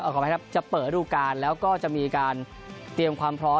ขออภัยครับจะเปิดระดูการแล้วก็จะมีการเตรียมความพร้อม